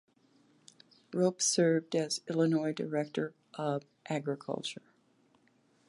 Ropp served as Illinois Director of Agriculture.